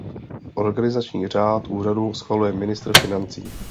Organizační řád úřadu schvaluje ministr financí.